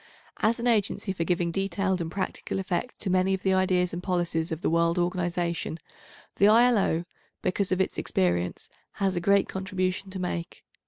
As an agency for giving detailed and practical effect to many of the ideas and policies of the world organisation, the I.L.O., because of its experience, has a great contribution to make.